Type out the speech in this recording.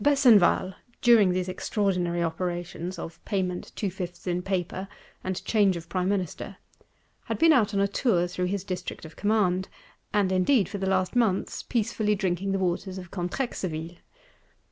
Besenval, during these extraordinary operations, of Payment two fifths in Paper, and change of Prime Minister, had been out on a tour through his District of Command; and indeed, for the last months, peacefully drinking the waters of Contrexeville.